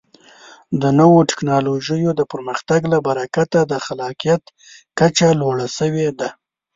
د نوو ټکنالوژیو د پرمختګ له برکته د خلاقیت کچه لوړه شوې ده.